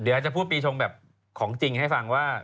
เดี๋ยวจะพูดปีชงแบบของจริงให้ฟังว่า